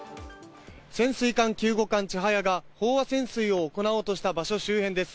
潜水艦救護鑑「ちはや」が飽和潜水を行おうとした場所周辺です。